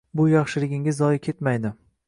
Bu yaxshiligingiz zoye ketmaydi!